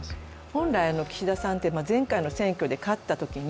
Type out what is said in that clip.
本来岸田さんって前回の選挙で勝ったときに、